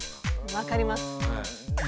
分かります。